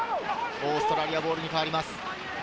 オーストラリアボールに変わります。